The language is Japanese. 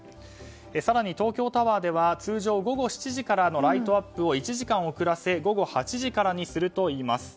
更に、東京タワーでは通常は午後７時からのライトアップを１時間遅らせ午後８時からにするといいます。